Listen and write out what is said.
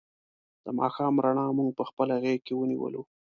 د ماښام رڼا مونږ په خپله غېږ کې ونیولو.